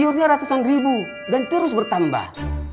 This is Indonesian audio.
pure nya ratusan ribu dan terus bertambah